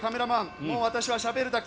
もう私はしゃべるだけ。